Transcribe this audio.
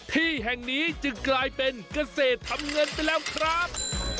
ที่แห่งนี้จึงกลายเป็นเกษตรทำเงินไปแล้วครับ